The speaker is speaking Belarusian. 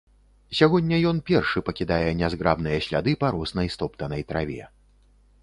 Сягоння ён першы пакідае нязграбныя сляды па роснай стоптанай траве.